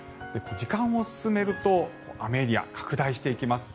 時間を進めると、雨エリアが拡大していきます。